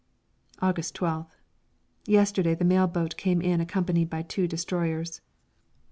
August 12th. Yesterday the mail boat came in accompanied by two destroyers.